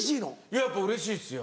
やっぱうれしいですよ。